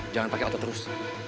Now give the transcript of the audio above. jangan pakai otak terus